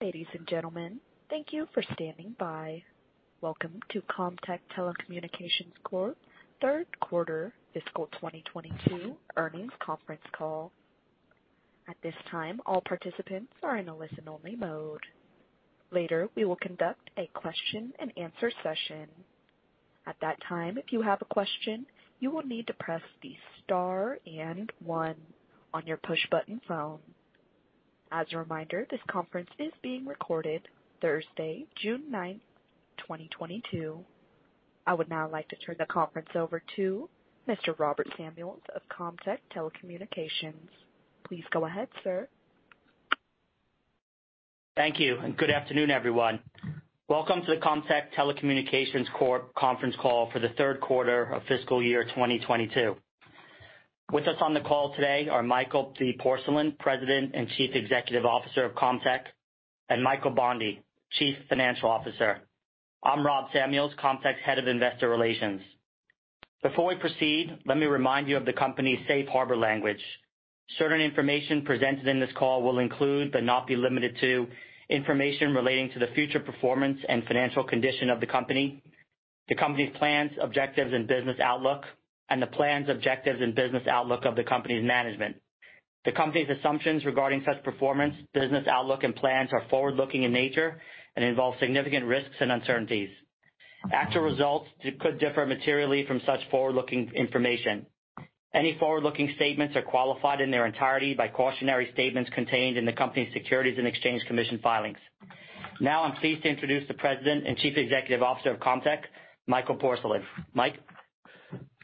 Ladies and gentlemen, thank you for standing by. Welcome to Comtech Telecommunications Corp. third quarter fiscal 2022 earnings conference call. At this time, all participants are in a listen-only mode. Later, we will conduct a question-and-answer session. At that time, if you have a question, you will need to press the star and one on your push-button phone. As a reminder, this conference is being recorded Thursday, June 9, 2022. I would now like to turn the conference over to Mr. Robert Samuels of Comtech Telecommunications. Please go ahead, sir. Thank you, and good afternoon, everyone. Welcome to the Comtech Telecommunications Corp. conference call for the third quarter of fiscal year 2022. With us on the call today are Michael D. Porcelain, President and Chief Executive Officer of Comtech, and Michael Bondi, Chief Financial Officer. I'm Rob Samuels, Comtech's Head of Investor Relations. Before we proceed, let me remind you of the company's safe harbor language. Certain information presented in this call will include, but not be limited to, information relating to the future performance and financial condition of the company, the company's plans, objectives, and business outlook, and the plans, objectives, and business outlook of the company's management. The company's assumptions regarding such performance, business outlook, and plans are forward-looking in nature and involve significant risks and uncertainties. Actual results could differ materially from such forward-looking information. Any forward-looking statements are qualified in their entirety by cautionary statements contained in the company's Securities and Exchange Commission filings. Now I'm pleased to introduce the President and Chief Executive Officer of Comtech, Michael Porcelain. Mike?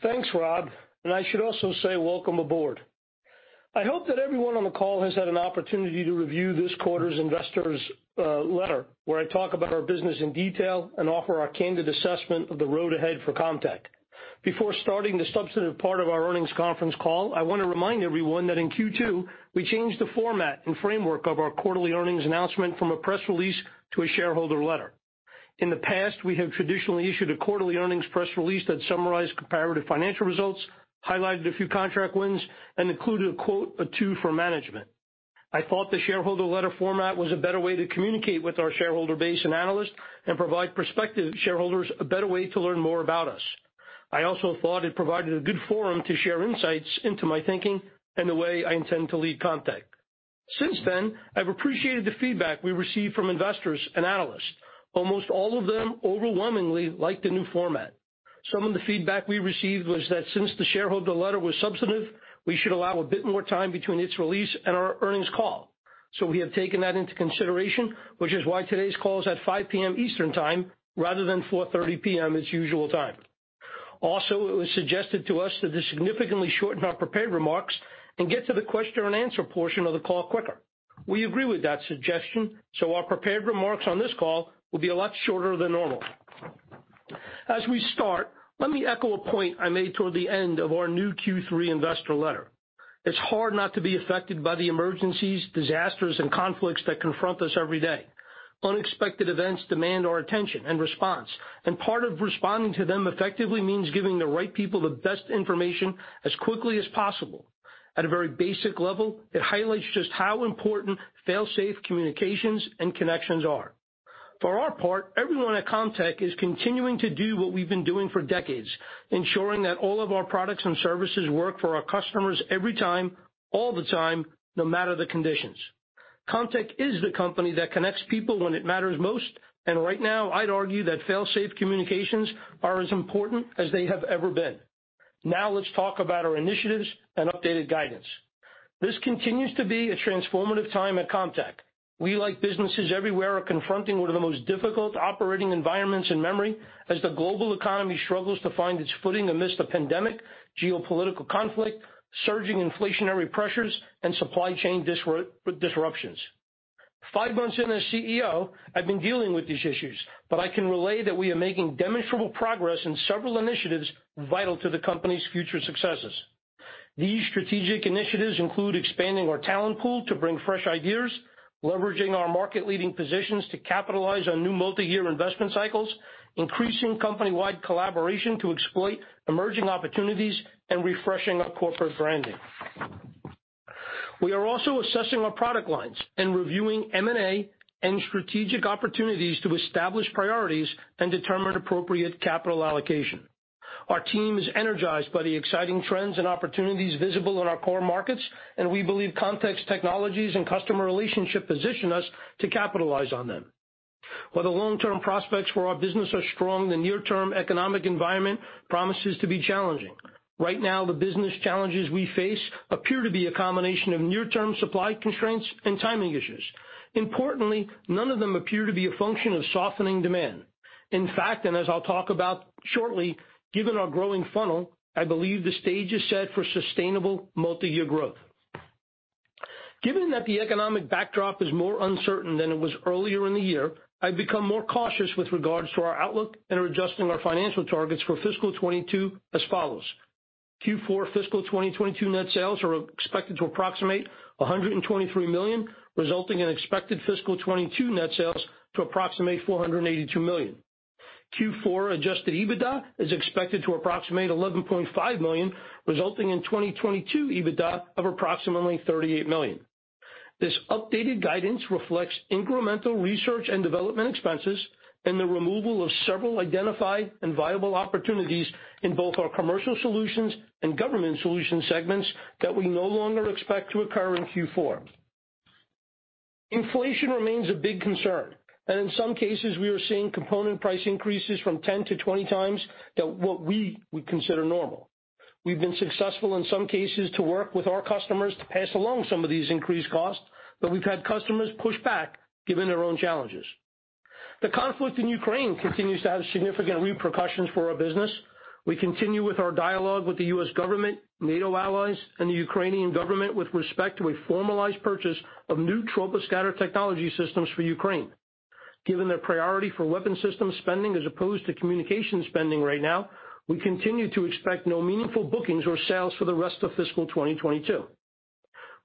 Thanks, Rob, and I should also say welcome aboard. I hope that everyone on the call has had an opportunity to review this quarter's investors letter, where I talk about our business in detail and offer our candid assessment of the road ahead for Comtech. Before starting the substantive part of our earnings conference call, I wanna remind everyone that in Q2, we changed the format and framework of our quarterly earnings announcement from a press release to a shareholder letter. In the past, we have traditionally issued a quarterly earnings press release that summarized comparative financial results, highlighted a few contract wins, and included a quote or two for management. I thought the shareholder letter format was a better way to communicate with our shareholder base and analysts and provide prospective shareholders a better way to learn more about us. I also thought it provided a good forum to share insights into my thinking and the way I intend to lead Comtech. Since then, I've appreciated the feedback we received from investors and analysts. Almost all of them overwhelmingly like the new format. Some of the feedback we received was that since the shareholder letter was substantive, we should allow a bit more time between its release and our earnings call. We have taken that into consideration, which is why today's call is at 5:00 P.M. Eastern Time rather than 4:30 P.M., its usual time. Also, it was suggested to us to significantly shorten our prepared remarks and get to the question-and-answer portion of the call quicker. We agree with that suggestion, so our prepared remarks on this call will be a lot shorter than normal. As we start, let me echo a point I made toward the end of our new Q3 investor letter. It's hard not to be affected by the emergencies, disasters, and conflicts that confront us every day. Unexpected events demand our attention and response, and part of responding to them effectively means giving the right people the best information as quickly as possible. At a very basic level, it highlights just how important fail-safe communications and connections are. For our part, everyone at Comtech is continuing to do what we've been doing for decades, ensuring that all of our products and services work for our customers every time, all the time, no matter the conditions. Comtech is the company that connects people when it matters most, and right now, I'd argue that fail-safe communications are as important as they have ever been. Now let's talk about our initiatives and updated guidance. This continues to be a transformative time at Comtech. We, like businesses everywhere, are confronting one of the most difficult operating environments in memory as the global economy struggles to find its footing amidst a pandemic, geopolitical conflict, surging inflationary pressures, and supply chain disruptions. Five months in as CEO, I've been dealing with these issues, but I can relay that we are making demonstrable progress in several initiatives vital to the company's future successes. These strategic initiatives include expanding our talent pool to bring fresh ideas, leveraging our market-leading positions to capitalize on new multi-year investment cycles, increasing company-wide collaboration to exploit emerging opportunities, and refreshing our corporate branding. We are also assessing our product lines and reviewing M&A and strategic opportunities to establish priorities and determine appropriate capital allocation. Our team is energized by the exciting trends and opportunities visible in our core markets, and we believe Comtech's technologies and customer relationship position us to capitalize on them. While the long-term prospects for our business are strong, the near-term economic environment promises to be challenging. Right now, the business challenges we face appear to be a combination of near-term supply constraints and timing issues. Importantly, none of them appear to be a function of softening demand. In fact, and as I'll talk about shortly, given our growing funnel, I believe the stage is set for sustainable multi-year growth. Given that the economic backdrop is more uncertain than it was earlier in the year, I've become more cautious with regards to our outlook and are adjusting our financial targets for fiscal 2022 as follows. Q4 fiscal 2022 net sales are expected to approximate $123 million, resulting in expected fiscal 2022 net sales to approximate $482 million. Q4 adjusted EBITDA is expected to approximate $11.5 million, resulting in 2022 EBITDA of approximately $38 million. This updated guidance reflects incremental research and development expenses and the removal of several identified and viable opportunities in both our commercial solutions and government solution segments that we no longer expect to occur in Q4. Inflation remains a big concern, and in some cases, we are seeing component price increases from 10-20 times more than what we would consider normal. We've been successful in some cases to work with our customers to pass along some of these increased costs, but we've had customers push back given their own challenges. The conflict in Ukraine continues to have significant repercussions for our business. We continue with our dialogue with the U.S. government, NATO allies, and the Ukrainian government with respect to a formalized purchase of new Troposcatter technology systems for Ukraine. Given their priority for weapon system spending as opposed to communication spending right now, we continue to expect no meaningful bookings or sales for the rest of fiscal 2022.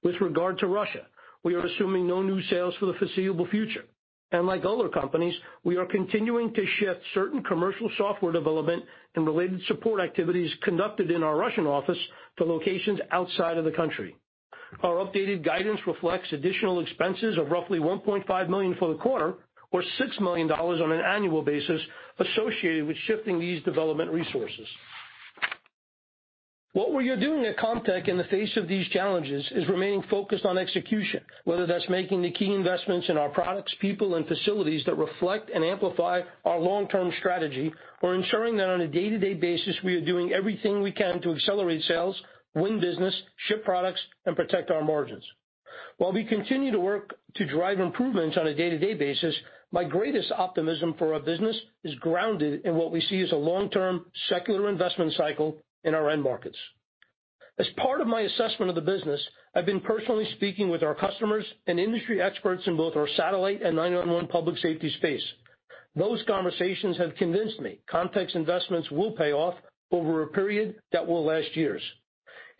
With regard to Russia, we are assuming no new sales for the foreseeable future, and like other companies, we are continuing to shift certain commercial software development and related support activities conducted in our Russian office to locations outside of the country. Our updated guidance reflects additional expenses of roughly $1.5 million for the quarter or $6 million on an annual basis associated with shifting these development resources. What we are doing at Comtech in the face of these challenges is remaining focused on execution, whether that's making the key investments in our products, people, and facilities that reflect and amplify our long-term strategy, or ensuring that on a day-to-day basis, we are doing everything we can to accelerate sales, win business, ship products, and protect our margins. While we continue to work to drive improvements on a day-to-day basis, my greatest optimism for our business is grounded in what we see as a long-term secular investment cycle in our end markets. As part of my assessment of the business, I've been personally speaking with our customers and industry experts in both our satellite and 9-1-1 public safety space. Those conversations have convinced me Comtech's investments will pay off over a period that will last years.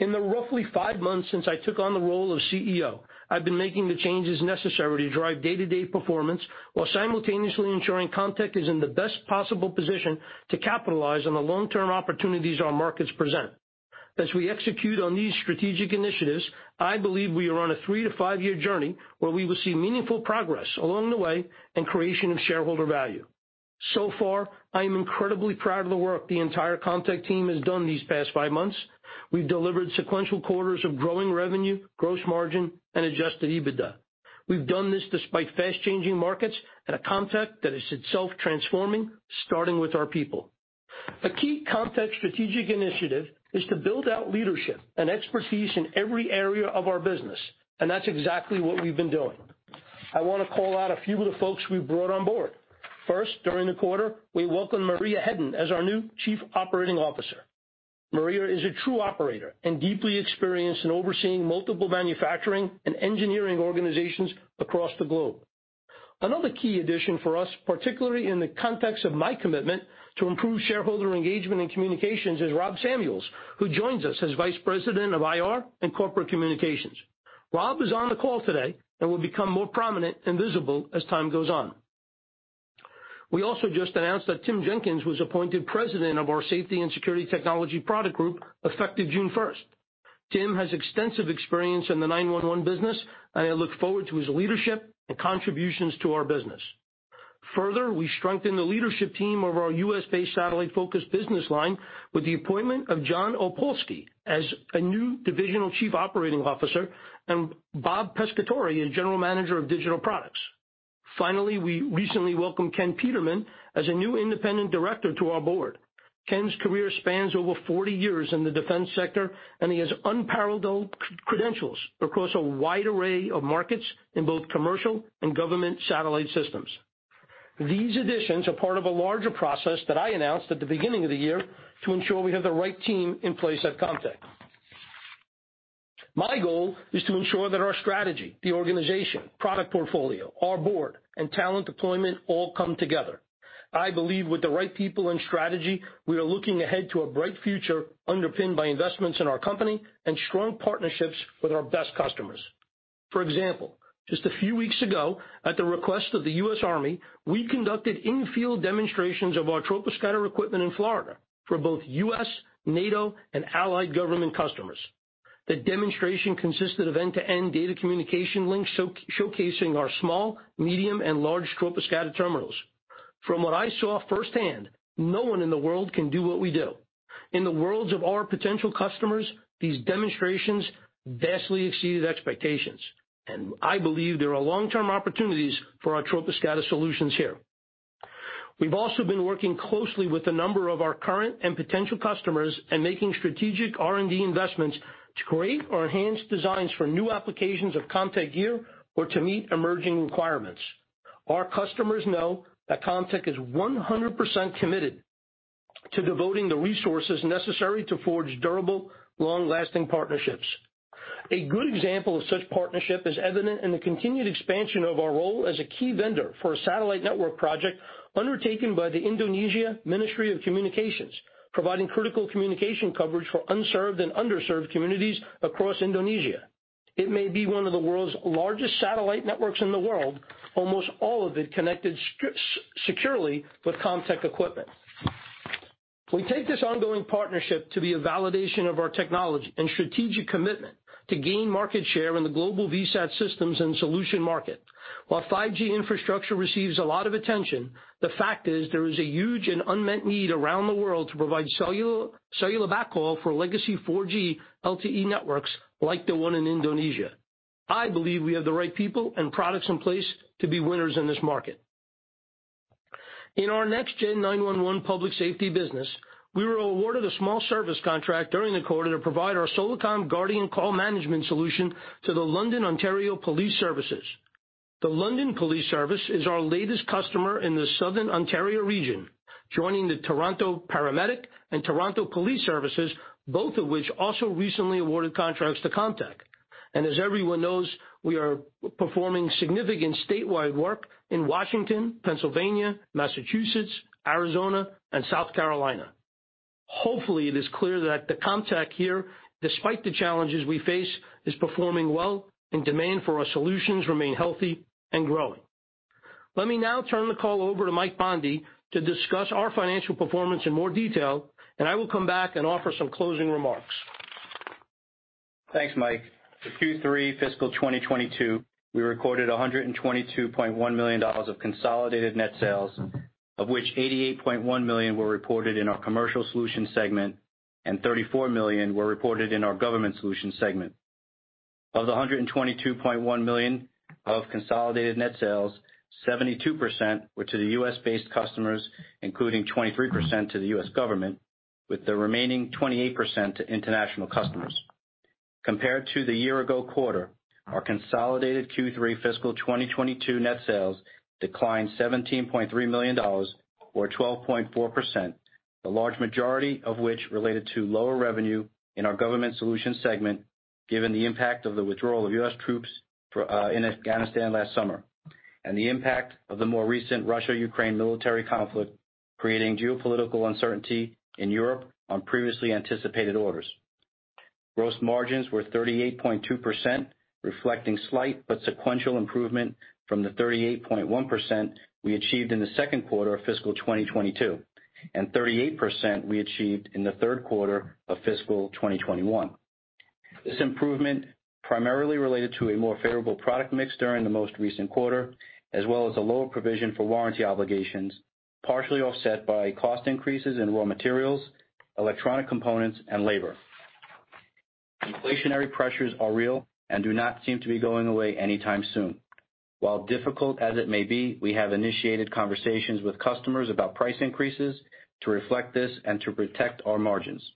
In the roughly 5 months since I took on the role of CEO, I've been making the changes necessary to drive day-to-day performance while simultaneously ensuring Comtech is in the best possible position to capitalize on the long-term opportunities our markets present. As we execute on these strategic initiatives, I believe we are on a 3-5-year journey where we will see meaningful progress along the way and creation of shareholder value. So far, I am incredibly proud of the work the entire Comtech team has done these past 5 months. We've delivered sequential quarters of growing revenue, gross margin, and adjusted EBITDA. We've done this despite fast-changing markets at a Comtech that is itself transforming, starting with our people. A key Comtech strategic initiative is to build out leadership and expertise in every area of our business, and that's exactly what we've been doing. I wanna call out a few of the folks we've brought on board. First, during the quarter, we welcomed Maria Hedden as our new Chief Operating Officer. Maria is a true operator and deeply experienced in overseeing multiple manufacturing and engineering organizations across the globe. Another key addition for us, particularly in the context of my commitment to improve shareholder engagement and communications, is Rob Samuels, who joins us as Vice President of IR and corporate communications. Rob is on the call today and will become more prominent and visible as time goes on. We also just announced that Tim Jenkins was appointed President of our Safety and Security Technology product group effective June 1st. Tim has extensive experience in the 9-1-1 business, and I look forward to his leadership and contributions to our business. Further, we strengthened the leadership team of our U.S.-based satellite-focused business line with the appointment of Jon Opalski as a new Divisional Chief Operating Officer and Bob Pescatore as General Manager of Digital Products. Finally, we recently welcomed Ken Peterman as a new Independent Director to our board. Ken's career spans over forty years in the defense sector, and he has unparalleled credentials across a wide array of markets in both commercial and government satellite systems. These additions are part of a larger process that I announced at the beginning of the year to ensure we have the right team in place at Comtech. My goal is to ensure that our strategy, the organization, product portfolio, our board, and talent deployment all come together. I believe with the right people and strategy, we are looking ahead to a bright future underpinned by investments in our company and strong partnerships with our best customers. For example, just a few weeks ago, at the request of the U.S. Army, we conducted in-field demonstrations of our Troposcatter equipment in Florida for both U.S., NATO, and allied government customers. The demonstration consisted of end-to-end data communication links showcasing our small, medium, and large Troposcatter terminals. From what I saw firsthand, no one in the world can do what we do. In the words of our potential customers, these demonstrations vastly exceeded expectations, and I believe there are long-term opportunities for our Troposcatter solutions here. We've also been working closely with a number of our current and potential customers and making strategic R&D investments to create or enhance designs for new applications of Comtech gear or to meet emerging requirements. Our customers know that Comtech is 100% committed to devoting the resources necessary to forge durable, long-lasting partnerships. A good example of such partnership is evident in the continued expansion of our role as a key vendor for a satellite network project undertaken by the Indonesian Ministry of Communication and Information Technology, providing critical communication coverage for unserved and underserved communities across Indonesia. It may be one of the world's largest satellite networks in the world, almost all of it connected securely with Comtech equipment. We take this ongoing partnership to be a validation of our technology and strategic commitment to gain market share in the global VSAT systems and solution market. While 5G infrastructure receives a lot of attention, the fact is there is a huge and unmet need around the world to provide cellular backhaul for legacy 4G LTE networks like the one in Indonesia. I believe we have the right people and products in place to be winners in this market. In our NextGen 9-1-1 public safety business, we were awarded a small service contract during the quarter to provide our Solacom Guardian call management solution to the London Police Service. The London Police Service is our latest customer in the Southern Ontario region, joining the Toronto Paramedic Services and Toronto Police Service, both of which also recently awarded contracts to Comtech. As everyone knows, we are performing significant statewide work in Washington, Pennsylvania, Massachusetts, Arizona, and South Carolina. Hopefully it is clear that the Comtech here, despite the challenges we face, is performing well and demand for our solutions remain healthy and growing. Let me now turn the call over to Mike Bondi to discuss our financial performance in more detail, and I will come back and offer some closing remarks. Thanks, Mike. For Q3 fiscal 2022, we recorded $122.1 million of consolidated net sales, of which $88.1 million were reported in our commercial solutions segment and $34 million were reported in our government solutions segment. Of the $122.1 million of consolidated net sales, 72% were to the U.S.-based customers, including 23% to the U.S. government, with the remaining 28% to international customers. Compared to the year ago quarter, our consolidated Q3 fiscal 2022 net sales declined $17.3 million or 12.4%, the large majority of which related to lower revenue in our government solutions segment, given the impact of the withdrawal of U.S. troops from in Afghanistan last summer, and the impact of the more recent Russia-Ukraine military conflict, creating geopolitical uncertainty in Europe on previously anticipated orders. Gross margins were 38.2%, reflecting slight but sequential improvement from the 38.1% we achieved in the second quarter of fiscal 2022, and 38% we achieved in the third quarter of fiscal 2021. This improvement primarily related to a more favorable product mix during the most recent quarter, as well as a lower provision for warranty obligations, partially offset by cost increases in raw materials, electronic components and labor. Inflationary pressures are real and do not seem to be going away anytime soon. While difficult as it may be, we have initiated conversations with customers about price increases to reflect this and to protect our margins.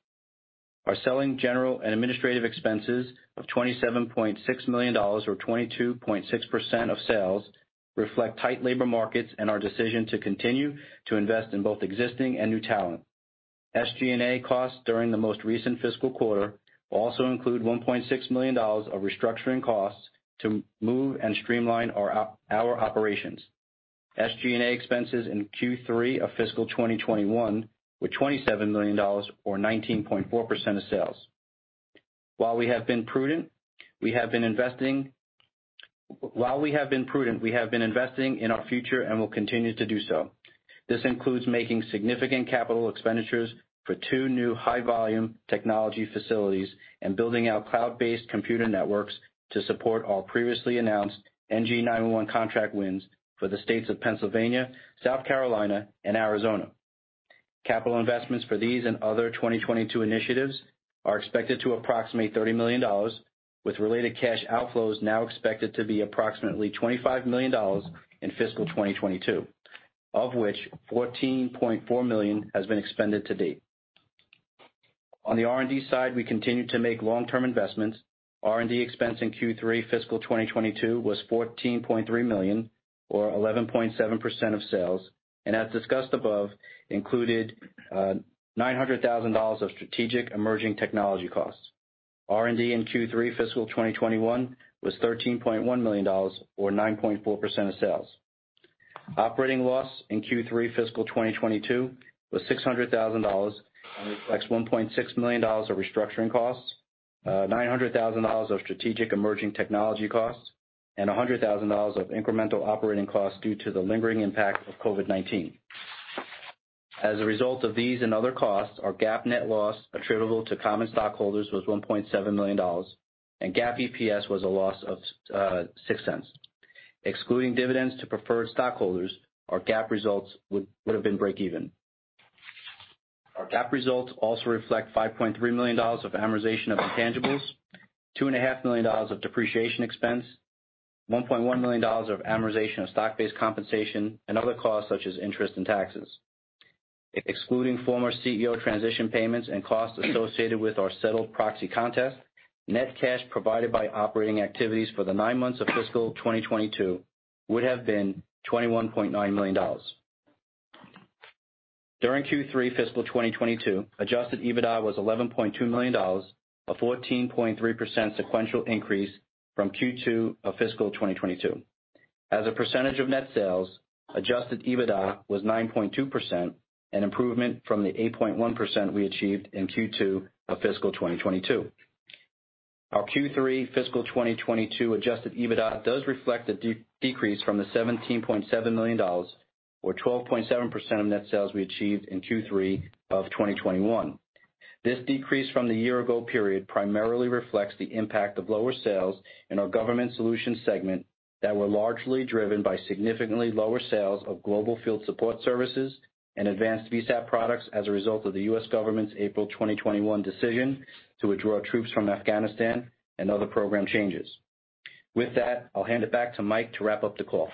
Our selling, general, and administrative expenses of $27.6 million or 22.6% of sales reflect tight labor markets and our decision to continue to invest in both existing and new talent. SG&A costs during the most recent fiscal quarter also include $1.6 million of restructuring costs to move and streamline our operations. SG&A expenses in Q3 of fiscal 2021 were $27 million or 19.4% of sales. While we have been prudent, we have been investing in our future and will continue to do so. This includes making significant capital expenditures for two new high volume technology facilities and building out cloud-based computer networks to support our previously announced NG9-1-1 contract wins for the states of Pennsylvania, South Carolina, and Arizona. Capital investments for these and other 2022 initiatives are expected to approximate $30 million, with related cash outflows now expected to be approximately $25 million in fiscal 2022, of which $14.4 million has been expended to date. On the R&D side, we continue to make long-term investments. R&D expense in Q3 fiscal 2022 was $14.3 million or 11.7% of sales, and as discussed above, included $900,000 of strategic emerging technology costs. R&D in Q3 fiscal 2021 was $13.1 million or 9.4% of sales. Operating loss in Q3 fiscal 2022 was $600 thousand and reflects $1.6 million of restructuring costs, nine hundred thousand dollars of strategic emerging technology costs, and $100 thousand of incremental operating costs due to the lingering impact of COVID-19. As a result of these and other costs, our GAAP net loss attributable to common stockholders was $1.7 million, and GAAP EPS was a loss of $0.06. Excluding dividends to preferred stockholders, our GAAP results would have been break even. Our GAAP results also reflect $5.3 million of amortization of intangibles, $2.5 million of depreciation expense, $1.1 million of amortization of stock-based compensation and other costs such as interest and taxes. Excluding former CEO transition payments and costs associated with our settled proxy contest, net cash provided by operating activities for the nine months of fiscal 2022 would have been $21.9 million. During Q3 fiscal 2022, adjusted EBITDA was $11.2 million, a 14.3% sequential increase from Q2 of fiscal 2022. As a percentage of net sales, adjusted EBITDA was 9.2%, an improvement from the 8.1% we achieved in Q2 of fiscal 2022. Our Q3 fiscal 2022 adjusted EBITDA does reflect a decrease from the $17.7 million or 12.7% of net sales we achieved in Q3 of 2021. This decrease from the year ago period primarily reflects the impact of lower sales in our government solutions segment that were largely driven by significantly lower sales of global field support services and advanced VSAT products as a result of the U.S. government's April 2021 decision to withdraw troops from Afghanistan and other program changes. With that, I'll hand it back to Mike to wrap up the call.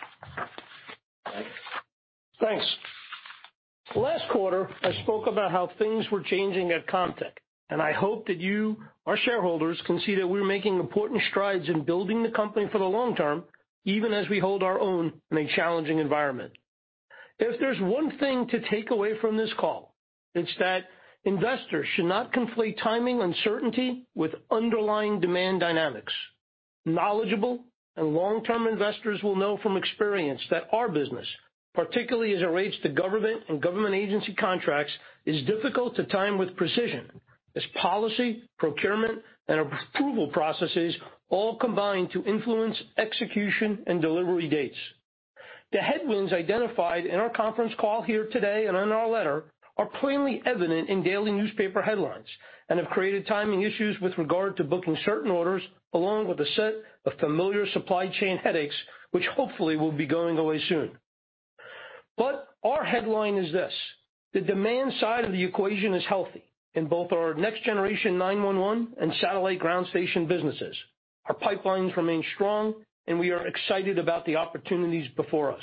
Thanks. Last quarter, I spoke about how things were changing at Comtech, and I hope that you, our shareholders, can see that we're making important strides in building the company for the long term, even as we hold our own in a challenging environment. If there's one thing to take away from this call, it's that investors should not conflate timing uncertainty with underlying demand dynamics. Knowledgeable and long-term investors will know from experience that our business, particularly as it relates to government and government agency contracts, is difficult to time with precision, as policy, procurement, and approval processes all combine to influence execution and delivery dates. The headwinds identified in our conference call here today and in our letter are plainly evident in daily newspaper headlines and have created timing issues with regard to booking certain orders, along with a set of familiar supply chain headaches, which hopefully will be going away soon. Our headline is this. The demand side of the equation is healthy in both our Next Generation 9-1-1 and satellite ground station businesses. Our pipelines remain strong, and we are excited about the opportunities before us.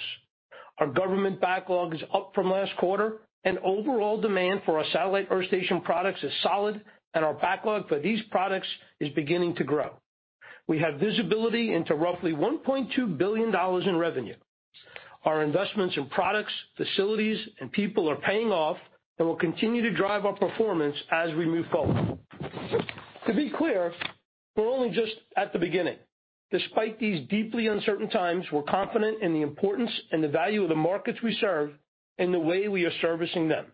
Our government backlog is up from last quarter, and overall demand for our satellite earth station products is solid, and our backlog for these products is beginning to grow. We have visibility into roughly $1.2 billion in revenue. Our investments in products, facilities, and people are paying off and will continue to drive our performance as we move forward. To be clear, we're only just at the beginning. Despite these deeply uncertain times, we're confident in the importance and the value of the markets we serve and the way we are servicing them.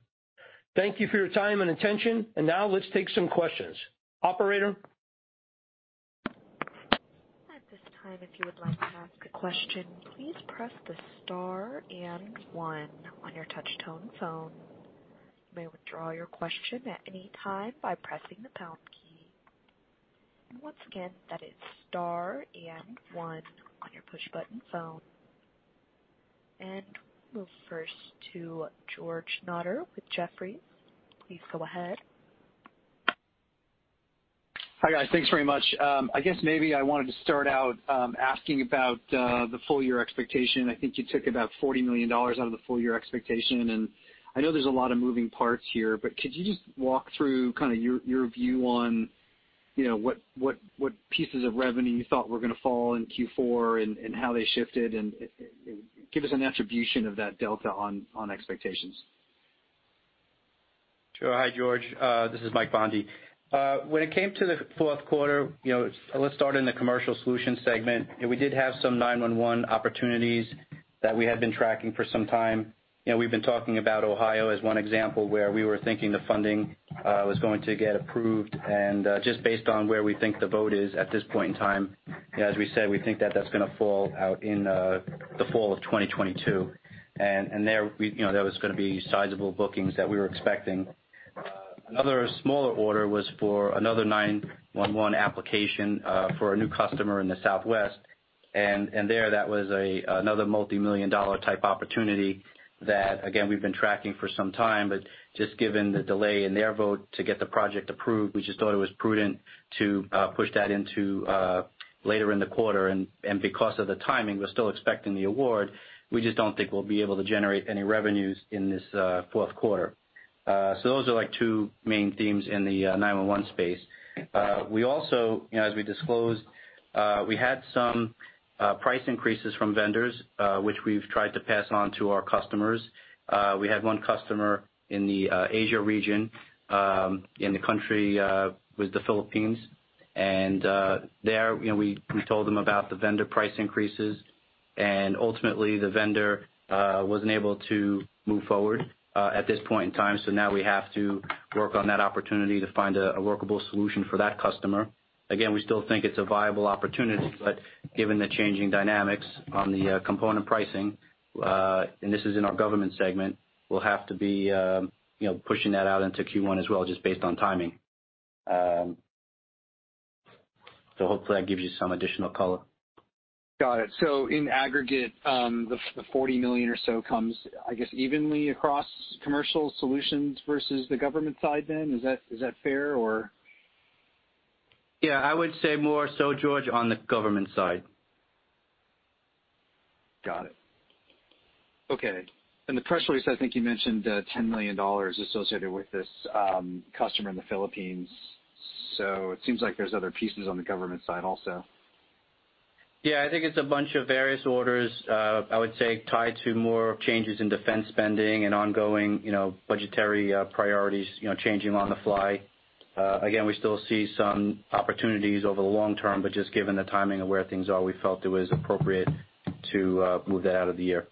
Thank you for your time and attention. Now let's take some questions. Operator? At this time, if you would like to ask a question, please press the star and one on your touch-tone phone. You may withdraw your question at any time by pressing the pound key. Once again, that is star and one on your push-button phone. We'll move first to George Notter with Jefferies. Please go ahead. Hi, guys. Thanks very much. I guess maybe I wanted to start out asking about the full year expectation. I think you took about $40 million out of the full year expectation. I know there's a lot of moving parts here, but could you just walk through kind of your view on, you know, what pieces of revenue you thought were going to fall in Q4 and how they shifted? Give us an attribution of that delta on expectations. Sure. Hi, George. This is Mike Bondi. When it came to the fourth quarter, you know, let's start in the commercial solutions segment. We did have some 9-1-1 opportunities that we had been tracking for some time. You know, we've been talking about Ohio as one example where we were thinking the funding was going to get approved. Just based on where we think the vote is at this point in time, as we said, we think that that's gonna fall out in the fall of 2022. There, you know, there was going to be sizable bookings that we were expecting. Another smaller order was for another 9-1-1 application for a new customer in the Southwest. That was another multi-million-dollar type opportunity that again, we've been tracking for some time, but just given the delay in their vote to get the project approved, we just thought it was prudent to push that into later in the quarter. Because of the timing, we're still expecting the award. We just don't think we'll be able to generate any revenues in this fourth quarter. Those are like two main themes in the 9-1-1 space. We also, you know, as we disclosed, we had some price increases from vendors, which we've tried to pass on to our customers. We had one customer in the Asia region, in the country was the Philippines. There, you know, we told them about the vendor price increases, and ultimately, the vendor wasn't able to move forward at this point in time. Now we have to work on that opportunity to find a workable solution for that customer. Again, we still think it's a viable opportunity, but given the changing dynamics on the component pricing, and this is in our government segment, we'll have to be, you know, pushing that out into Q1 as well, just based on timing. Hopefully that gives you some additional color. Got it. In aggregate, the $40 million or so comes, I guess, evenly across commercial solutions versus the government side then? Is that fair or? Yeah, I would say more so, George, on the government side. Got it. Okay. The press release, I think you mentioned $10 million associated with this customer in the Philippines. It seems like there's other pieces on the government side also. Yeah, I think it's a bunch of various orders. I would say tied to more changes in defense spending and ongoing, you know, budgetary priorities, you know, changing on the fly. Again, we still see some opportunities over the long term, but just given the timing of where things are, we felt it was appropriate to move that out of the year.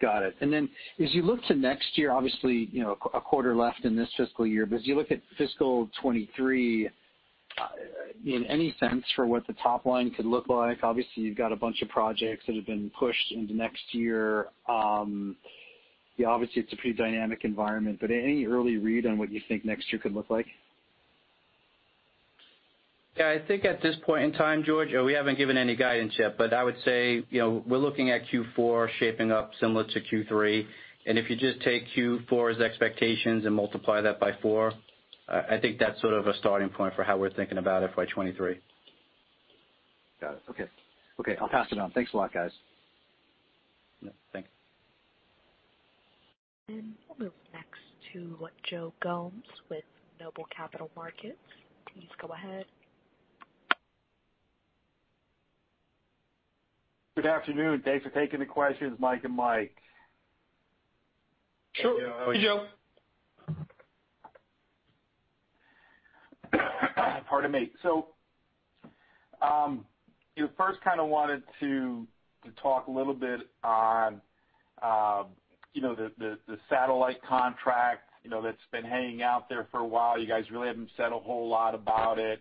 Got it. As you look to next year, obviously, you know, a quarter left in this fiscal year, but as you look at fiscal 2023, in any sense for what the top line could look like, obviously, you've got a bunch of projects that have been pushed into next year. Obviously, it's a pretty dynamic environment, but any early read on what you think next year could look like? Yeah, I think at this point in time, George, we haven't given any guidance yet, but I would say, you know, we're looking at Q4 shaping up similar to Q3. If you just take Q4's expectations and multiply that by 4, I think that's sort of a starting point for how we're thinking about FY 2023. Got it. Okay. Okay, I'll pass it on. Thanks a lot, guys. Yeah, thanks. We'll move next to Joe Gomes with Noble Capital Markets. Please go ahead. Good afternoon. Thanks for taking the questions, Mike and Mike. Sure. Hey, Joe. Hey, Joe. How are you? Pardon me. First kind of wanted to talk a little bit on, you know, the satellite contract, you know, that's been hanging out there for a while. You guys really haven't said a whole lot about it,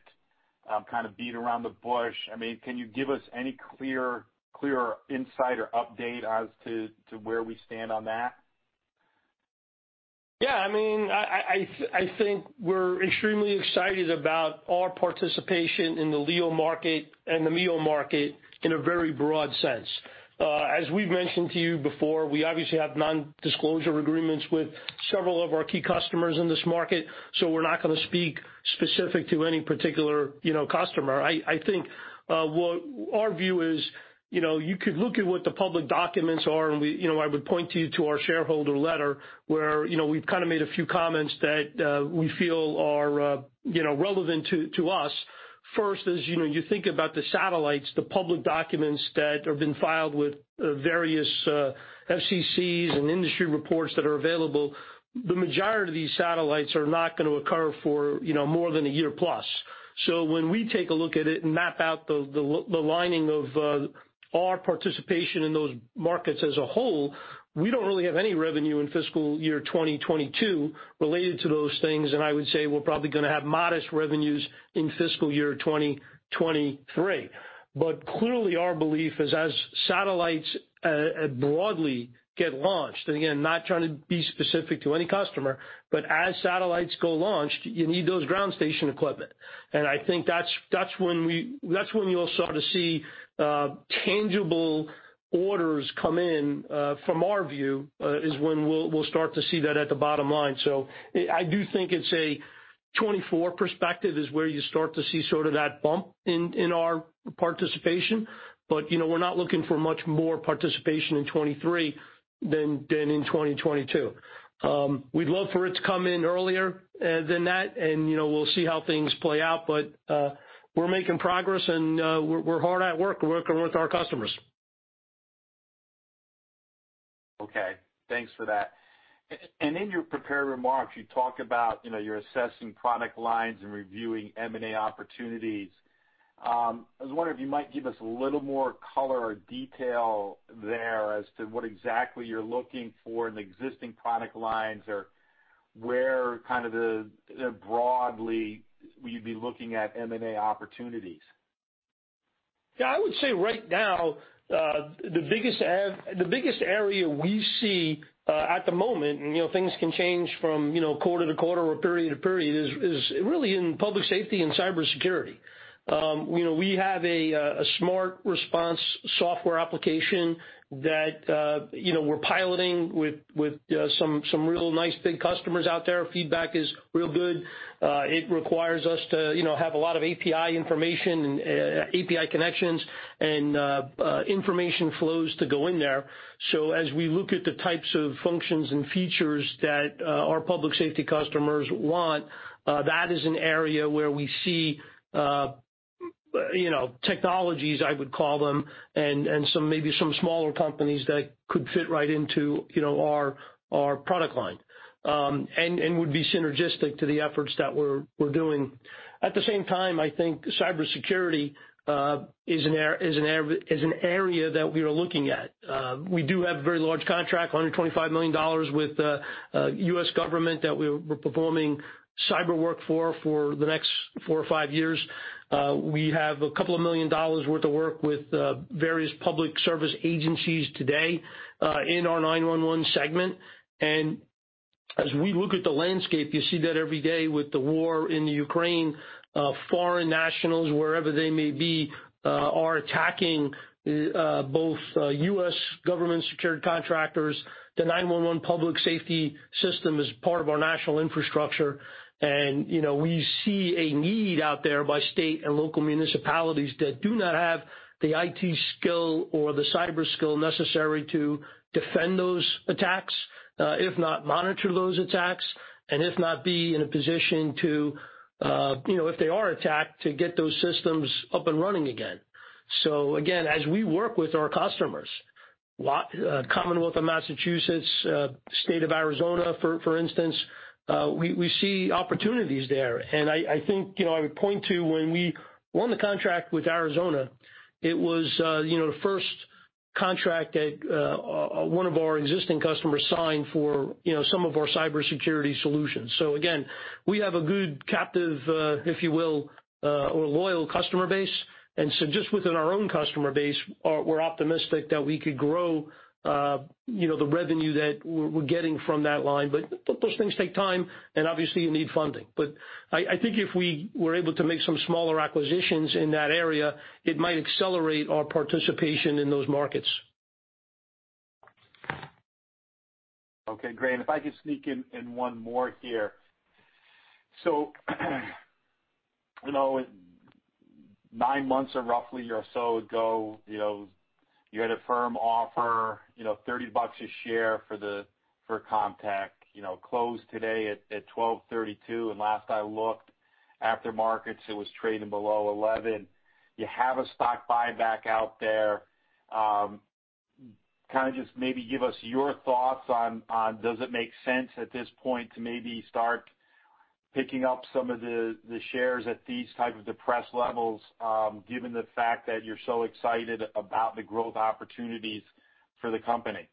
kind of beat around the bush. I mean, can you give us any clear insight or update as to where we stand on that? Yeah, I mean, I think we're extremely excited about our participation in the LEO market and the MEO market in a very broad sense. As we've mentioned to you before, we obviously have nondisclosure agreements with several of our key customers in this market, so we're not gonna speak specific to any particular, you know, customer. I think what our view is, you know, you could look at what the public documents are, and you know, I would point you to our shareholder letter where, you know, we've kinda made a few comments that we feel are, you know, relevant to us. First is, you know, you think about the satellites, the public documents that have been filed with various FCCs and industry reports that are available. The majority of these satellites are not gonna occur for, you know, more than a year-plus. When we take a look at it and map out the timing of our participation in those markets as a whole, we don't really have any revenue in fiscal year 2022 related to those things. I would say we're probably gonna have modest revenues in fiscal year 2023. Clearly, our belief is as satellites broadly get launched, and again, not trying to be specific to any customer, but as satellites get launched, you need those ground station equipment. I think that's when you'll start to see tangible orders come in from our view is when we'll start to see that at the bottom line. I do think it's a 2024 perspective is where you start to see sort of that bump in our participation. You know, we're not looking for much more participation in 2023 than in 2022. We'd love for it to come in earlier than that. You know, we'll see how things play out, but we're making progress and we're hard at work working with our customers. Okay. Thanks for that. In your prepared remarks, you talk about, you know, you're assessing product lines and reviewing M&A opportunities. I was wondering if you might give us a little more color or detail there as to what exactly you're looking for in the existing product lines or where kind of the, broadly you'd be looking at M&A opportunities. Yeah. I would say right now, the biggest area we see at the moment, and, you know, things can change from, you know, quarter to quarter or period to period, is really in public safety and cybersecurity. You know, we have a smart response software application that, you know, we're piloting with some real nice big customers out there. Feedback is real good. It requires us to, you know, have a lot of API information and API connections and information flows to go in there. As we look at the types of functions and features that our public safety customers want, that is an area where we see you know technologies, I would call them, and some smaller companies that could fit right into you know our product line and would be synergistic to the efforts that we're doing. At the same time, I think cybersecurity is an area that we are looking at. We do have a very large contract, $125 million with the U.S. government that we're performing cyber work for for the next four or five years. We have a couple of million dollars worth of work with various public service agencies today in our 9-1-1 segment. As we look at the landscape, you see that every day with the war in the Ukraine, foreign nationals, wherever they may be, are attacking both U.S. government-secured contractors. The 9-1-1 public safety system is part of our national infrastructure. You know, we see a need out there by state and local municipalities that do not have the IT skill or the cyber skill necessary to defend those attacks, if not monitor those attacks, and if not be in a position to- You know, if they are attacked, to get those systems up and running again. Again, as we work with our customers, Commonwealth of Massachusetts, State of Arizona, for instance, we see opportunities there. I think, you know, I would point to when we won the contract with Arizona. It was, you know, the first contract that one of our existing customers signed for, you know, some of our cybersecurity solutions. Again, we have a good captive, if you will, or loyal customer base. Just within our own customer base, we're optimistic that we could grow, you know, the revenue that we're getting from that line. Those things take time, and obviously you need funding. I think if we were able to make some smaller acquisitions in that area, it might accelerate our participation in those markets. Okay, great. If I could sneak in one more here. You know, nine months or roughly or so ago, you know, you had a firm offer, you know, $30 a share for Comtech. You know, closed today at $12.32, and last I looked after markets, it was trading below $11. You have a stock buyback out there. Kind of just maybe give us your thoughts on does it make sense at this point to maybe start picking up some of the shares at these type of depressed levels, given the fact that you're so excited about the growth opportunities for the company?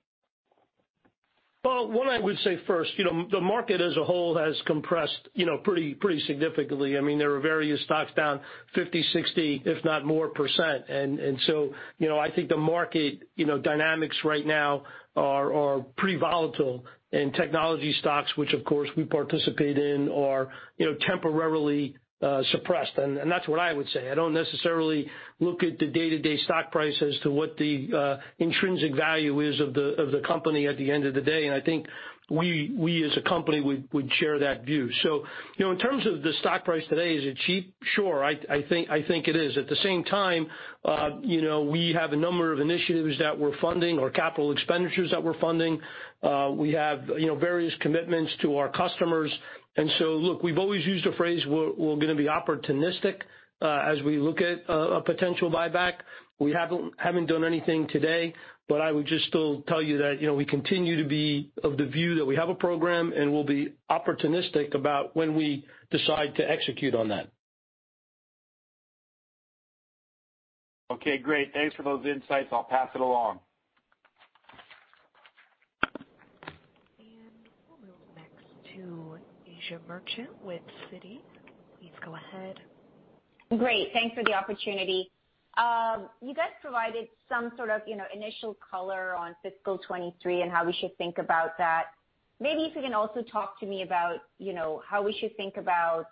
Well, what I would say first, you know, the market as a whole has compressed, you know, pretty significantly. I mean, there are various stocks down 50%, 60%, if not more. So, you know, I think the market dynamics right now are pretty volatile. Technology stocks, which of course we participate in, are, you know, temporarily suppressed. That's what I would say. I don't necessarily look at the day-to-day stock price as to what the intrinsic value is of the company at the end of the day. I think we as a company would share that view. You know, in terms of the stock price today, is it cheap? Sure. I think it is. At the same time, you know, we have a number of initiatives that we're funding or capital expenditures that we're funding. We have, you know, various commitments to our customers. Look, we've always used a phrase, we're gonna be opportunistic as we look at a potential buyback. We haven't done anything today, but I would just still tell you that, you know, we continue to be of the view that we have a program and we'll be opportunistic about when we decide to execute on that. Okay, great. Thanks for those insights. I'll pass it along. We'll move next to Asiya Merchant with Citi. Please go ahead. Great. Thanks for the opportunity. You guys provided some sort of, you know, initial color on fiscal 2023 and how we should think about that. Maybe if you can also talk to me about, you know, how we should think about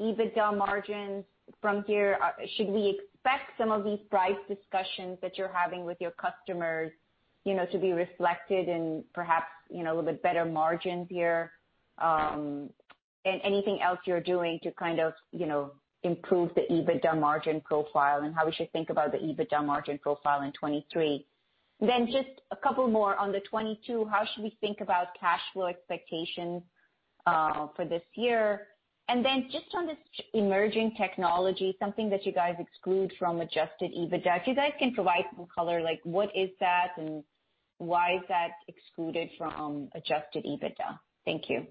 EBITDA margins from here. Should we expect some of these price discussions that you're having with your customers, you know, to be reflected in perhaps, you know, a little bit better margins here? And anything else you're doing to kind of, you know, improve the EBITDA margin profile and how we should think about the EBITDA margin profile in 2023. Just a couple more on the 2022. How should we think about cash flow expectations for this year? Just on this emerging technology, something that you guys exclude from adjusted EBITDA. If you guys can provide some color, like what is that and why is that excluded from adjusted EBITDA? Thank you.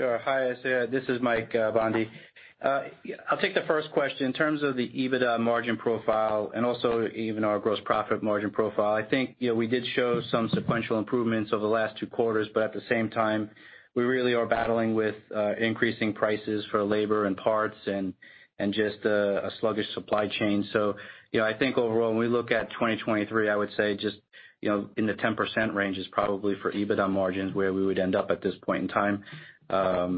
Sure. Hi, Asiya. This is Mike Bondi. Yeah, I'll take the first question. In terms of the EBITDA margin profile and also even our gross profit margin profile, I think, you know, we did show some sequential improvements over the last two quarters, but at the same time, we really are battling with increasing prices for labor and parts and just a sluggish supply chain. You know, I think overall, when we look at 2023, I would say just, you know, in the 10% range is probably for EBITDA margins where we would end up at this point in time. You know,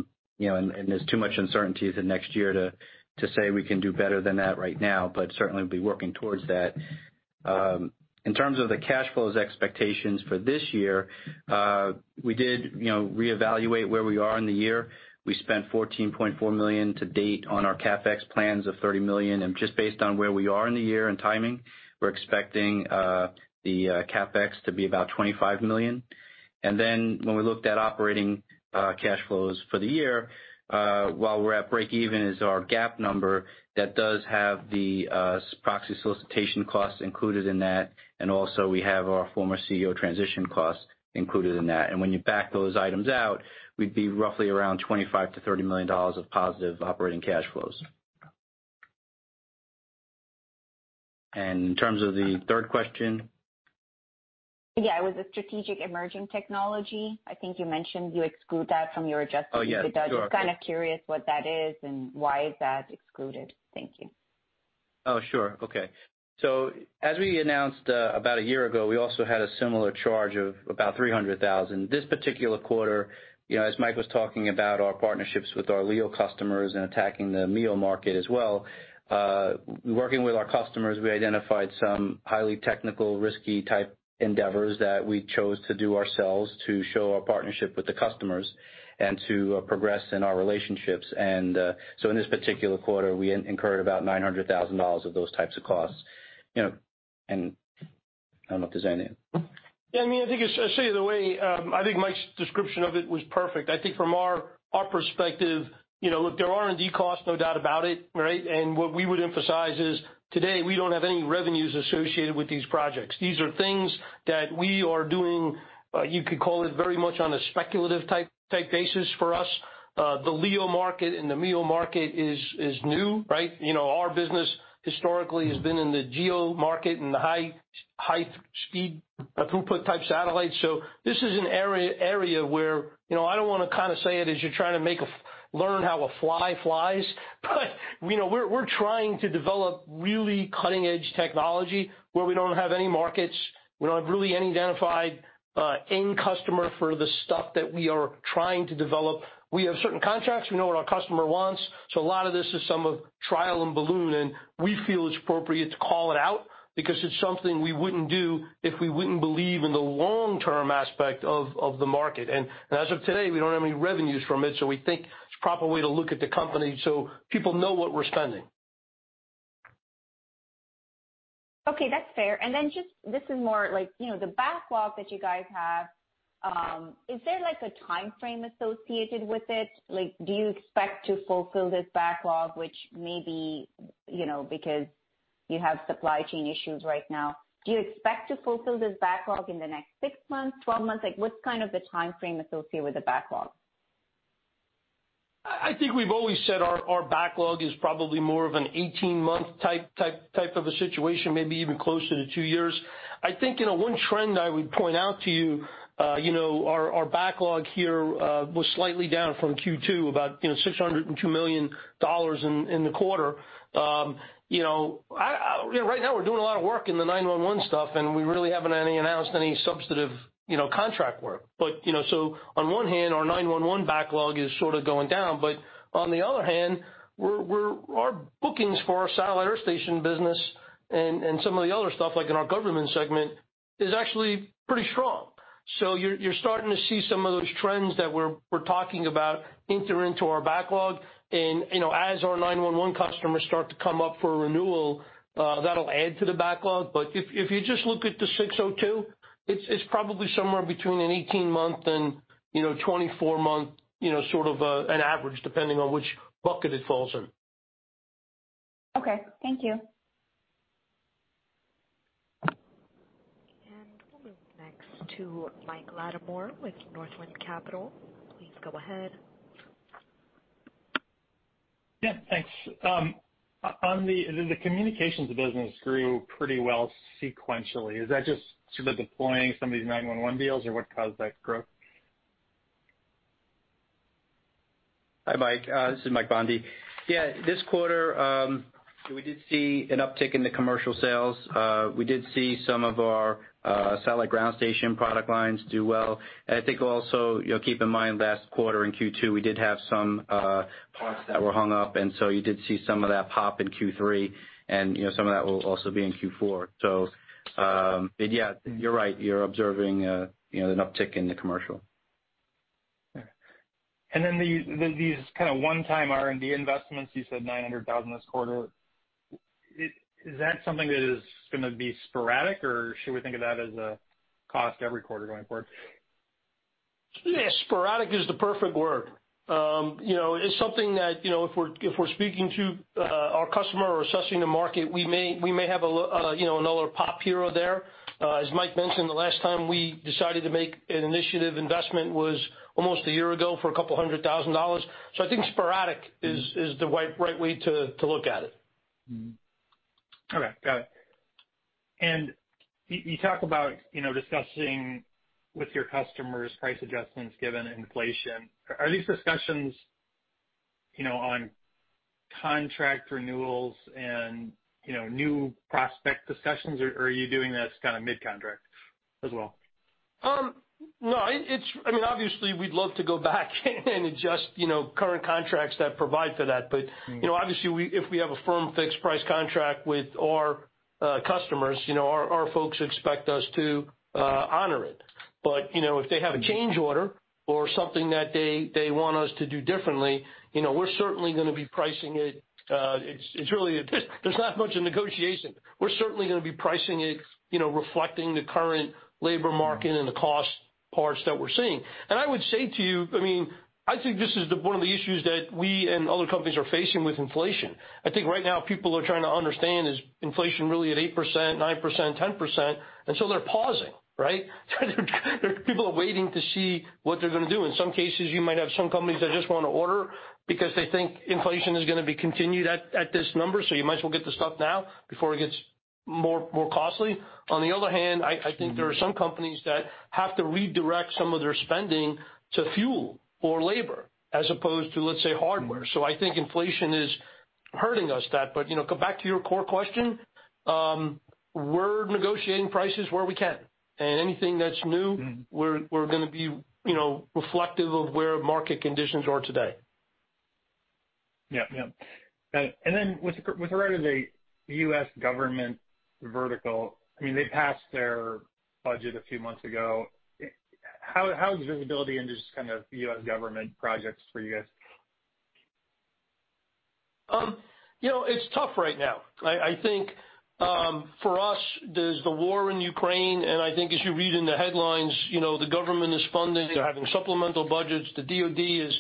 and there's too much uncertainty to next year to say we can do better than that right now, but certainly be working towards that. In terms of the cash flows expectations for this year, we did, you know, reevaluate where we are in the year. We spent $14.4 million to date on our CapEx plans of $30 million. Just based on where we are in the year and timing, we're expecting the CapEx to be about $25 million. Then when we looked at operating cash flows for the year, while we're at break even is our GAAP number, that does have the proxy solicitation costs included in that, and also we have our former CEO transition costs included in that. When you back those items out, we'd be roughly around $25-$30 million of positive operating cash flows. In terms of the third question? Yeah, it was the strategic emerging technology. I think you mentioned you exclude that from your adjusted EBITDA. Oh, yeah. Sure. Just kind of curious what that is and why is that excluded. Thank you. As we announced about a year ago, we also had a similar charge of about $300,000. This particular quarter, you know, as Mike was talking about our partnerships with our LEO customers and attacking the MEO market as well, working with our customers, we identified some highly technical, risky type endeavors that we chose to do ourselves to show our partnership with the customers and to progress in our relationships. In this particular quarter, we incurred about $900,000 of those types of costs. You know, I don't know if you wanna say any. I think Mike's description of it was perfect. I think from our perspective, you know, look, there are R&D costs, no doubt about it, right? What we would emphasize is, today, we don't have any revenues associated with these projects. These are things that we are doing, you could call it very much on a speculative type basis for us. The LEO market and the MEO market is new, right? You know, our business historically has been in the GEO market and the high speed throughput type satellites. This is an area where, you know, I don't wanna kinda say it as you're trying to make a fly learn how a fly flies, but you know, we're trying to develop really cutting-edge technology where we don't have any markets. We don't have really any identified end customer for the stuff that we are trying to develop. We have certain contracts. We know what our customer wants, so a lot of this is some of trial balloon, and we feel it's appropriate to call it out because it's something we wouldn't do if we wouldn't believe in the long-term aspect of the market. As of today, we don't have any revenues from it, so we think it's proper way to look at the company so people know what we're spending. Okay. That's fair. Just this is more like, you know, the backlog that you guys have, is there like a timeframe associated with it? Like, do you expect to fulfill this backlog, which may be, you know, because you have supply chain issues right now. Do you expect to fulfill this backlog in the next 6 months, 12 months? Like, what's kind of the timeframe associated with the backlog? I think we've always said our backlog is probably more of an 18-month type of a situation, maybe even closer to two years. I think you know one trend I would point out to you know, our backlog here was slightly down from Q2, about $602 million in the quarter. You know right now we're doing a lot of work in the 9-1-1 stuff, and we really haven't announced any substantive contract work. You know so on one hand our 9-1-1 backlog is sort of going down, but on the other hand, we're our bookings for our satellite earth station business and some of the other stuff, like in our government segment, is actually pretty strong. You're starting to see some of those trends that we're talking about enter into our backlog. You know, as our 9-1-1 customers start to come up for a renewal, that'll add to the backlog. If you just look at the 602, it's probably somewhere between an 18-month and, you know, 24-month, you know, sort of, an average, depending on which bucket it falls in. Okay. Thank you. We'll move next to Mike Latimore with Northland Capital. Please go ahead. Yeah, thanks. On the communications business grew pretty well sequentially. Is that just sort of deploying some of these 9-1-1 deals, or what caused that growth? Hi, Mike. This is Mike Bondi. Yeah. This quarter, we did see an uptick in the commercial sales. We did see some of our satellite ground station product lines do well. I think also, you know, keep in mind last quarter in Q2, we did have some parts that were hung up, and so you did see some of that pop in Q3 and, you know, some of that will also be in Q4. But yeah, you're right. You're observing, you know, an uptick in the commercial. Okay. Then these kind of one-time R&D investments, you said $900,000 this quarter. Is that something that is gonna be sporadic, or should we think of that as a cost every quarter going forward? Yeah, sporadic is the perfect word. You know, it's something that, you know, if we're speaking to our customer or assessing the market, we may have another pop hero there. As Mike mentioned, the last time we decided to make an initial investment was almost a year ago for $200,000. I think sporadic is the right way to look at it. Mm-hmm. Okay. Got it. You talk about, you know, discussing with your customers price adjustments given inflation. Are these discussions, you know, on contract renewals and, you know, new prospect discussions, or are you doing this kinda mid-contract as well? No. I mean, obviously we'd love to go back and adjust, you know, current contracts that provide for that. But, you know, obviously, if we have a firm fixed price contract with our customers, you know, our folks expect us to honor it. But, you know, if they have a change order or something that they want us to do differently, you know, we're certainly gonna be pricing it. It's really not much of a negotiation. We're certainly gonna be pricing it, you know, reflecting the current labor market and the cost of parts that we're seeing. I would say to you, I mean, I think this is one of the issues that we and other companies are facing with inflation. I think right now people are trying to understand, is inflation really at 8%, 9%, 10%? They're pausing, right? People are waiting to see what they're gonna do. In some cases, you might have some companies that just wanna order because they think inflation is gonna be continued at this number, so you might as well get the stuff now before it gets more costly. On the other hand, I think there are some companies that have to redirect some of their spending to fuel or labor as opposed to, let's say, hardware. I think inflation is hurting us that. You know, go back to your core question. We're negotiating prices where we can, and anything that's new- Mm-hmm. We're gonna be, you know, reflective of where market conditions are today. With regard to the U.S. government vertical, I mean, they passed their budget a few months ago. How is visibility into just kind of U.S. government projects for you guys? You know, it's tough right now. I think for us, there's the war in Ukraine, and I think as you read in the headlines, you know, the government is funding, they're having supplemental budgets. The DoD is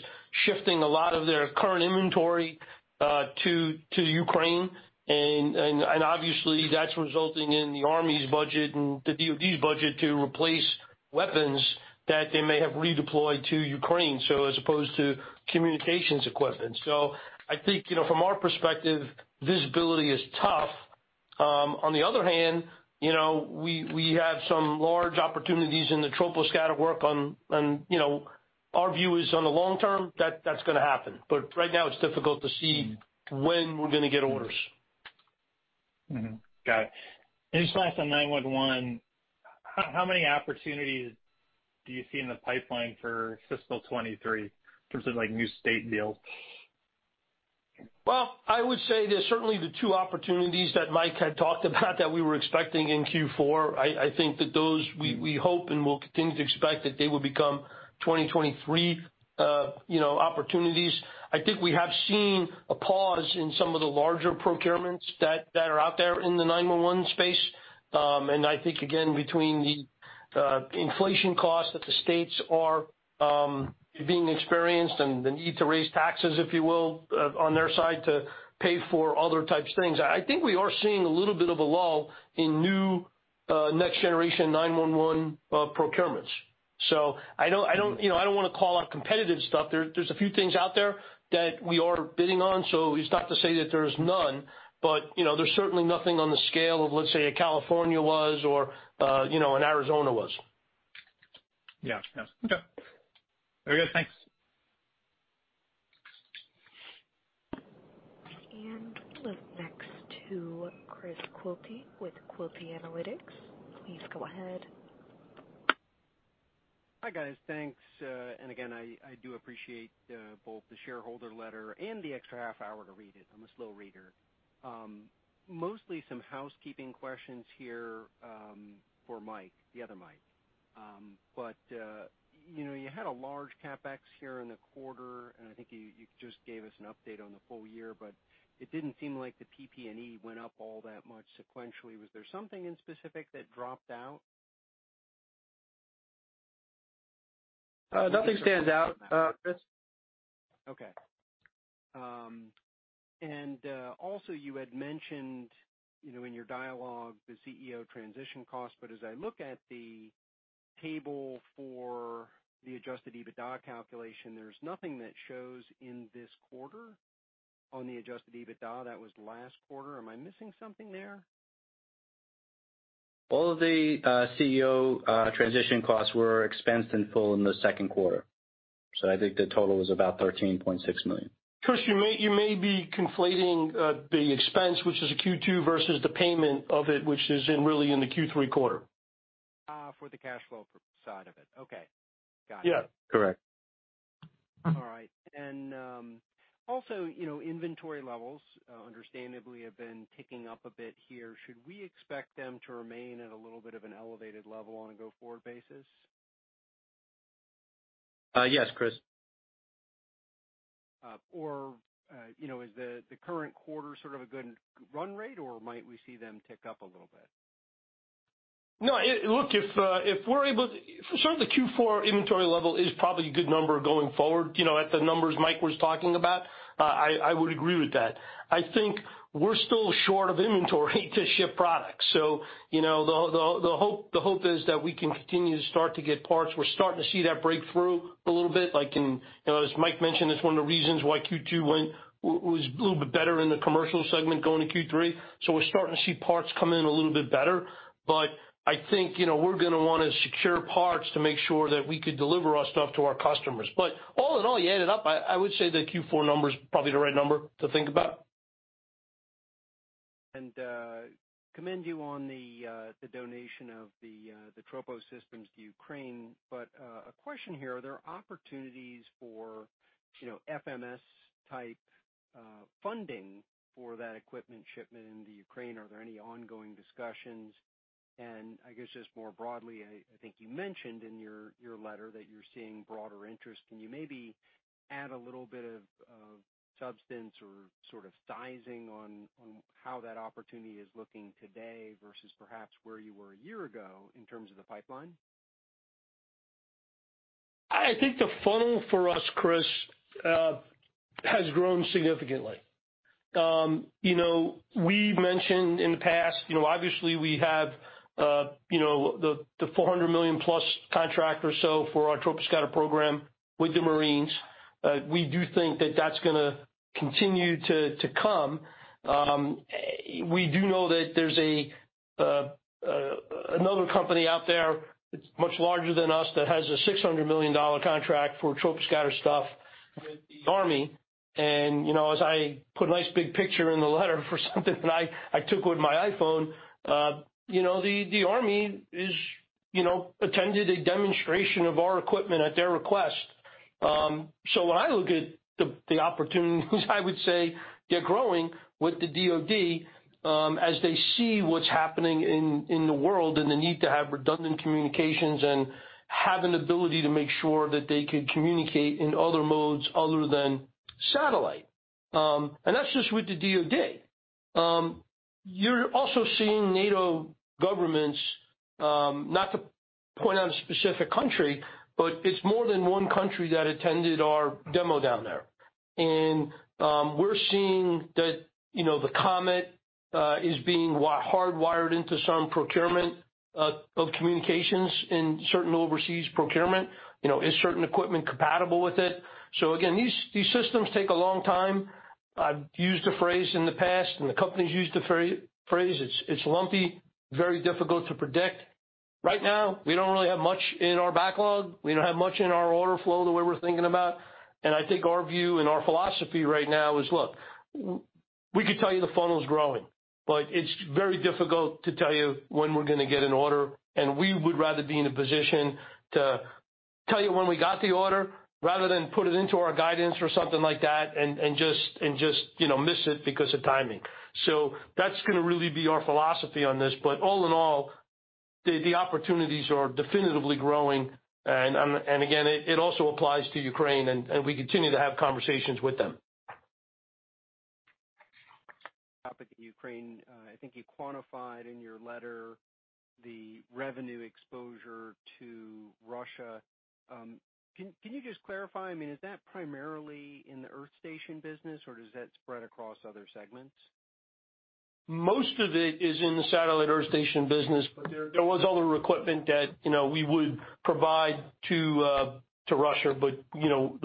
shifting a lot of their current inventory to Ukraine. Obviously, that's resulting in the Army's budget and the DoD's budget to replace weapons that they may have redeployed to Ukraine, so as opposed to communications equipment. I think, you know, from our perspective, visibility is tough. On the other hand, you know, we have some large opportunities in the Troposcatter work. You know, our view is on the long term that that's gonna happen. Right now it's difficult to see when we're gonna get orders. Mm-hmm. Got it. Just last on 9-1-1, how many opportunities do you see in the pipeline for fiscal 2023 in terms of, like, new state deals? Well, I would say there's certainly the 2 opportunities that Mike had talked about that we were expecting in Q4. I think that those we hope and we'll continue to expect that they will become 2023 opportunities, you know. I think we have seen a pause in some of the larger procurements that are out there in the 9-1-1 space. I think again, between the inflation costs that the states are experiencing and the need to raise taxes, if you will, on their side to pay for other types of things. I think we are seeing a little bit of a lull in new Next Generation 9-1-1 procurements. I don't, you know, wanna call out competitive stuff. There, there's a few things out there that we are bidding on, so it's not to say that there's none, but, you know, there's certainly nothing on the scale of, let's say, a California was or, you know, an Arizona was. Yeah. Yeah. Okay. Very good. Thanks. We're next to Chris Quilty with Quilty Analytics. Please go ahead. Hi, guys. Thanks. Again, I do appreciate both the shareholder letter and the extra half hour to read it. I'm a slow reader. Mostly some housekeeping questions here for Mike, the other Mike. You know, you had a large CapEx here in the quarter, and I think you just gave us an update on the full year, but it didn't seem like the PP&E went up all that much sequentially. Was there something in specific that dropped out? Nothing stands out, Chris. you had mentioned, you know, in your dialogue, the CEO transition cost, but as I look at the table for the adjusted EBITDA calculation, there's nothing that shows in this quarter on the adjusted EBITDA. That was last quarter. Am I missing something there? All of the CEO transition costs were expensed in full in the second quarter. I think the total was about $13.6 million. Chris, you may be conflating the expense, which is a Q2, versus the payment of it, which is in the Q3 quarter. For the cash flow side of it. Okay. Got it. Yeah. Correct. All right. Also, you know, inventory levels, understandably have been ticking up a bit here. Should we expect them to remain at a little bit of an elevated level on a go-forward basis? Yes, Chris. You know, is the current quarter sort of a good run rate, or might we see them tick up a little bit? For sure, the Q4 inventory level is probably a good number going forward. You know, at the numbers Mike was talking about, I would agree with that. I think we're still short of inventory to ship products. You know, the hope is that we can continue to start to get parts. We're starting to see that breakthrough a little bit, like in, you know, as Mike mentioned, it's one of the reasons why Q2 was a little bit better in the commercial segment going to Q3. We're starting to see parts come in a little bit better. I think, you know, we're gonna wanna secure parts to make sure that we could deliver our stuff to our customers. All in all, you add it up, I would say the Q4 number is probably the right number to think about. Commend you on the donation of the troposcatter systems to Ukraine. A question here, are there opportunities for, you know, FMS type funding for that equipment shipment into Ukraine? Are there any ongoing discussions? I guess just more broadly, I think you mentioned in your letter that you're seeing broader interest. Can you maybe add a little bit of substance or sort of sizing on how that opportunity is looking today versus perhaps where you were a year ago in terms of the pipeline? I think the funnel for us, Chris, has grown significantly. You know, we've mentioned in the past, you know, obviously we have the $400 million plus contract or so for our Troposcatter program with the Marines. We do think that that's gonna continue to come. We do know that there's another company out there that's much larger than us that has a $600 million contract for Troposcatter stuff with the Army. You know, as I put a nice big picture in the letter for something that I took with my iPhone, you know, the Army is, you know, attended a demonstration of our equipment at their request. When I look at the opportunities, I would say they're growing with the DoD, as they see what's happening in the world and the need to have redundant communications and have an ability to make sure that they can communicate in other modes other than satellite. That's just with the DoD. You're also seeing NATO governments, not to point out a specific country, but it's more than one country that attended our demo down there. We're seeing that, you know, the COMET is being hardwired into some procurement of communications in certain overseas procurement. You know, is certain equipment compatible with it? Again, these systems take a long time. I've used the phrase in the past and the company's used the phrase. It's lumpy, very difficult to predict. Right now, we don't really have much in our backlog. We don't have much in our order flow the way we're thinking about, and I think our view and our philosophy right now is, look, we could tell you the funnel's growing, but it's very difficult to tell you when we're gonna get an order, and we would rather be in a position to tell you when we got the order rather than put it into our guidance or something like that and just, you know, miss it because of timing. That's gonna really be our philosophy on this. All in all, the opportunities are definitely growing. It also applies to Ukraine and we continue to have conversations with them. Topic Ukraine, I think you quantified in your letter the revenue exposure to Russia. Can you just clarify? I mean, is that primarily in the earth station business, or does that spread across other segments? Most of it is in the satellite earth station business, but there was other equipment that, you know, we would provide to Russia, but, you know,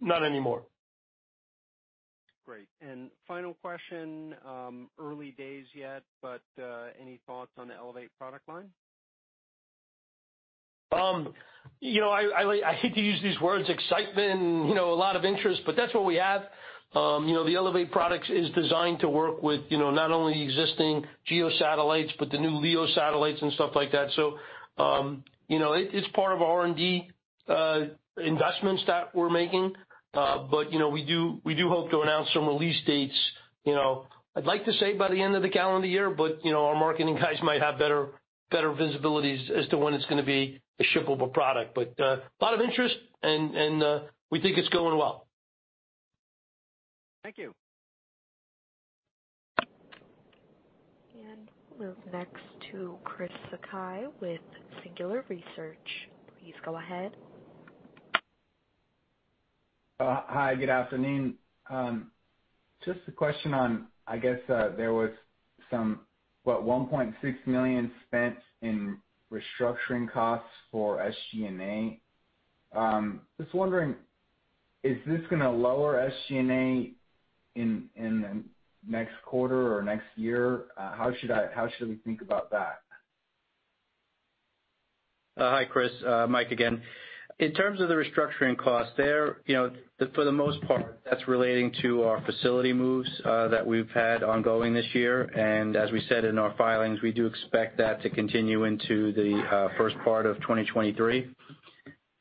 not anymore. Great. Final question, early days yet, but any thoughts on the ELEVATE product line? You know, I like, I hate to use these words excitement and, you know, a lot of interest, but that's what we have. You know, the ELEVATE products is designed to work with, you know, not only existing GEO satellites, but the new LEO satellites and stuff like that. You know, it's part of R&D investments that we're making. You know, we do hope to announce some release dates, you know, I'd like to say by the end of the calendar year, but, you know, our marketing guys might have better visibilities as to when it's gonna be a shippable product. A lot of interest and, we think it's going well. Thank you. We're next to Chris Sakai with Singular Research. Please go ahead. Hi. Good afternoon. Just a question on, I guess, there was some $1.6 million spent in restructuring costs for SG&A. Just wondering, is this gonna lower SG&A in the next quarter or next year? How should we think about that? Hi, Chris. Mike again. In terms of the restructuring costs there, you know, for the most part, that's relating to our facility moves that we've had ongoing this year. As we said in our filings, we do expect that to continue into the first part of 2023. You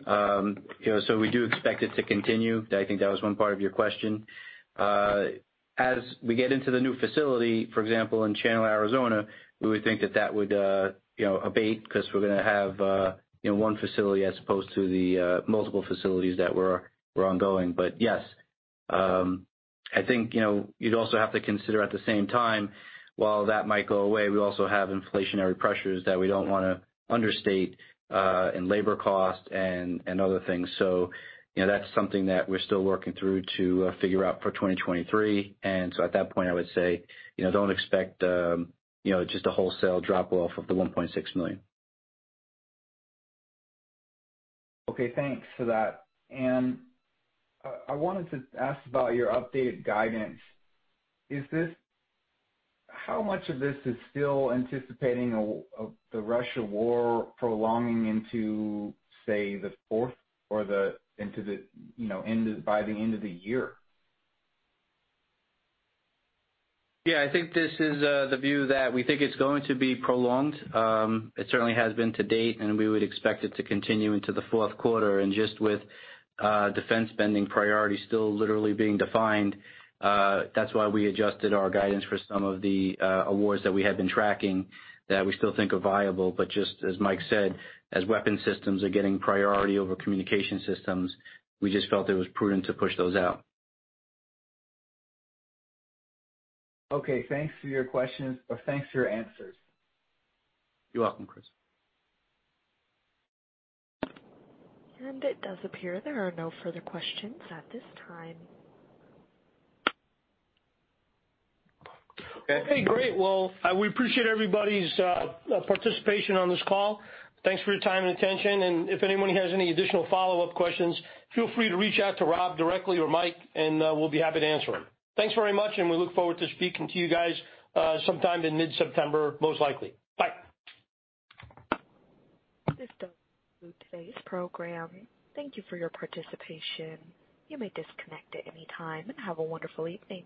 know, so we do expect it to continue. I think that was one part of your question. As we get into the new facility, for example, in Chandler, Arizona, we would think that that would, you know, abate because we're gonna have, you know, one facility as opposed to the multiple facilities that were ongoing. Yes, I think, you know, you'd also have to consider at the same time, while that might go away, we also have inflationary pressures that we don't wanna understate in labor costs and other things. You know, that's something that we're still working through to figure out for 2023. At that point, I would say, you know, don't expect just a wholesale drop off of the $1.6 million. Okay, thanks for that. I wanted to ask about your updated guidance. Is this how much of this is still anticipating the Russia war prolonging into, say, the fourth or into the, you know, by the end of the year? Yeah, I think this is the view that we think it's going to be prolonged. It certainly has been to date, and we would expect it to continue into the fourth quarter. Just with defense spending priorities still literally being defined, that's why we adjusted our guidance for some of the awards that we had been tracking that we still think are viable. Just as Mike said, as weapon systems are getting priority over communication systems, we just felt it was prudent to push those out. Okay, thanks for your questions or thanks for your answers. You're welcome, Chris. It does appear there are no further questions at this time. Okay, great. Well, we appreciate everybody's participation on this call. Thanks for your time and attention. If anyone has any additional follow-up questions, feel free to reach out to Rob directly or Mike, and we'll be happy to answer them. Thanks very much, and we look forward to speaking to you guys sometime in mid-September, most likely. Bye. This does conclude today's program. Thank you for your participation. You may disconnect at any time. Have a wonderful evening.